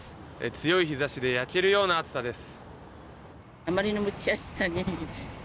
強い日差しで焼けるような暑さです。